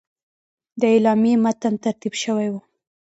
د اعلامیې متن ترتیب شوی وو.